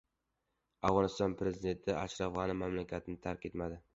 Afg‘oniston prezidenti Ashraf G‘ani mamlakatni tark etmadi